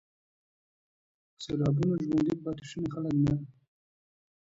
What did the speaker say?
سېلابونو ژوندي پاتې شوي خلک نه